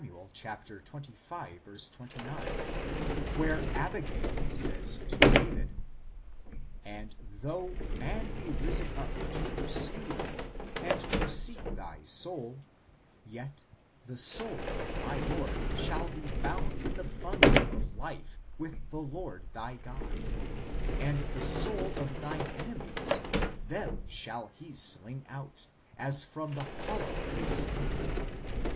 xxv. 29, where Abigail says to David, " And though man be risen up to pursue thee, and to seek thy soul, yet the soul of my lord shall be bound in the bundle [more correctly " bag "] of life with the Lord thy God ; and the souls of thine enemies, them shall He sling out, as from the hollow of a sling."